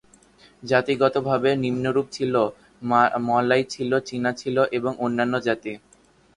জাতিগত ভাবে নিম্নরূপ ছিল: মালয় ছিল, চীনা ছিল, এবং অন্যান্য জাতি।